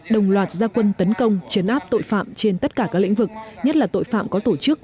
đồng loạt gia quân tấn công chấn áp tội phạm trên tất cả các lĩnh vực nhất là tội phạm có tổ chức